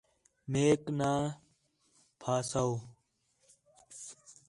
میک نا پھاسَؤ